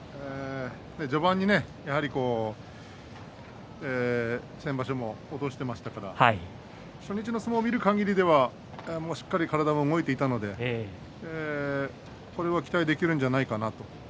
序盤に先場所も落としていましたから初日の相撲を見るかぎりではしっかり体も動いていたのでこれは期待できるんじゃないかなと。